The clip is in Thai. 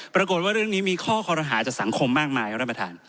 ปรากฏว่าเรื่องนี้มีข้อคอรหาจากสังคมมากมายครับท่านประธาน